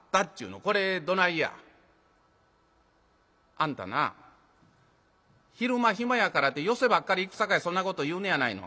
「あんたな昼間暇やからて寄席ばっかり行くさかいそんなこと言うのやないの。